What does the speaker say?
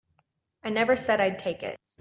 I never said I'd take it.